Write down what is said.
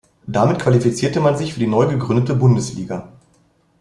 Damit qualifizierte man sich für die neu gegründete Bundesliga.